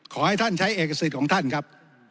ขอให้ท่านใช้เอกสิทธิ์ของท่านครับ